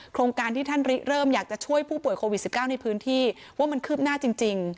โครงการที่ท่านเริ่มอยากจะช่วยผู้ป่วยโควิด๑๙ในพื้นที่ว่ามันคืบหน้าจริง